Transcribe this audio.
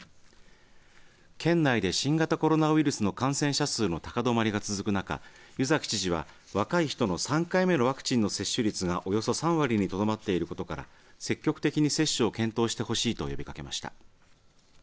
県内で新型コロナウイルスの感染者数の高止まりが続く中湯崎知事は、若い人の３回目のワクチン接種率がおよそ３割にとどまっていることから積極的に接種を検討してほしいと呼びかけました。